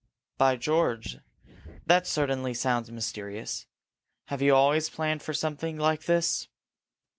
"By George, that certainly sounds mysterious! Have you always planned for something like this?"